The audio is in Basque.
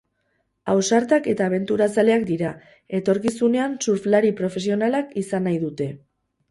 Ausartak eta abenturazaleak dira, etorkizunean surflari profesionalak izan nahi dute.